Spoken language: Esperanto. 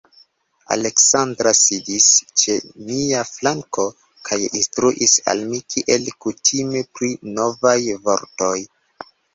Aleksandra sidis ĉe mia flanko kaj instruis al mi kiel kutime pri novaj vortoj.